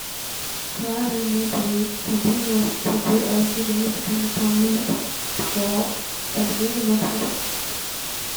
Collarenebri continues to be a significant community for Aboriginal people.